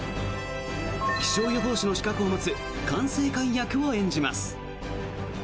気象予報士の資格を持つ管制官役を演じます。